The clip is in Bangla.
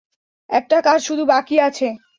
একটা কাজ শুধু বাকী আছে!